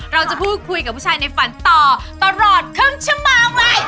เราจะคุยกับผู้ชายในฝั่นต่อตลอดครึ่งชมแหวน